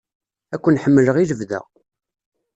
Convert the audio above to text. Ad ken-ḥemmleɣ i lebda.